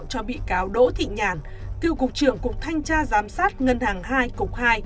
cho bị cáo đỗ thị nhàn cựu cục trưởng cục thanh tra giám sát ngân hàng hai cục hai